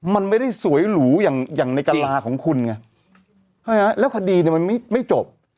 มันไม่ได้สวยหรูอย่างในกะลาของคุณไงใช่ไหมแล้วคดีเนี่ยมันไม่จบ